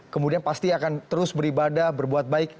kemudian pasti akan terus beribadah berbuat baik